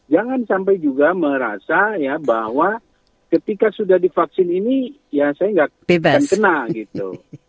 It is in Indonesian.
jangan sampai juga merasa ya bahwa ketika sudah divaksin ini ya saya nggak akan kena gitu